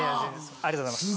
ありがとうございます。